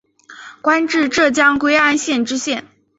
官至浙江归安县知县。